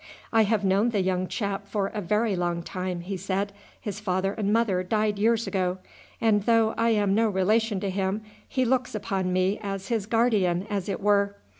"I have known the young chap for a very long time," he said; "his father and mother died years ago, and though I am no relation to him he looks upon me as his guardian as it were.